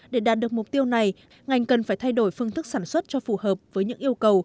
để đạt được mục tiêu này ngành cần phải thay đổi phương thức sản xuất cho phù hợp với những yêu cầu